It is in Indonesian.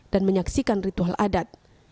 dan menyaksikan ritual adat